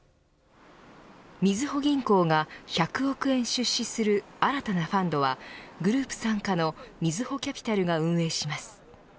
みずほ銀行が１００億円出資する新たなファンドはグループ傘下のみずほキャピタルが運営します。